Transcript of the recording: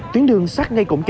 tiến đường sát ngay cổng chợ